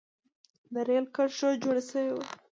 د رېل کرښه جوړه شوه.